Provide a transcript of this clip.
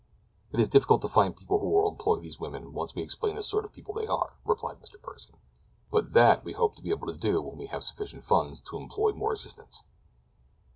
"It is difficult to find people who will employ these women once we explain the sort of people they are," replied Mr. Pursen; "but that we hope to be able to do when we have sufficient funds to employ more assistants."